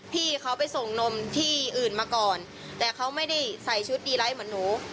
พี่เขาไปส่งนมที่อื่นมาก่อนแต่เขาไม่ได้ใส่ชุดดีไลท์เหมือนหนู